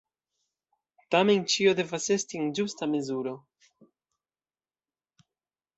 Tamen ĉio devas esti en ĝusta mezuro.